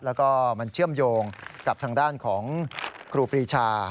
แล้วก็มันเชื่อมโยงกับทางด้านของครูปรีชา